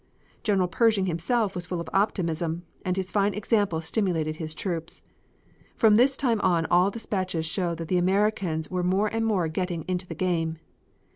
General Pershing himself was full of optimism and his fine example stimulated his troops. From this time on all dispatches show that the Americans were more and more getting in the game.